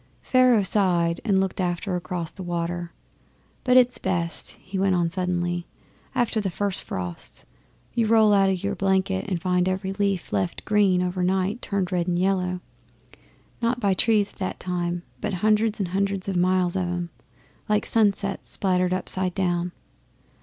Pharaoh sighed and looked across the water. 'But it's best,' he went on suddenly, 'after the first frosts. You roll out o' your blanket and find every leaf left green over night turned red and yellow, not by trees at a time, but hundreds and hundreds of miles of 'em, like sunsets splattered upside down.